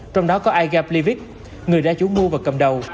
trong đó có igaplivx người đã chủng mua và cầm đầu